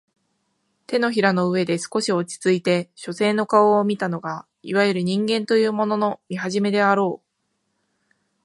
掌の上で少し落ちついて書生の顔を見たのがいわゆる人間というものの見始めであろう